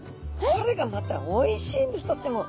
これがまたおいしいんですとっても。